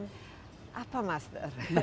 berdasarkan apa master